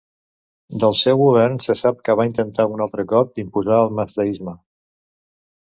Del seu govern se sap que va intentar un altre cop d'imposar el mazdaisme.